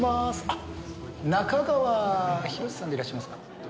あっ中川弘志さんでいらっしゃいますか？